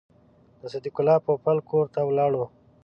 د صدیق الله پوپل کور ته ولاړو.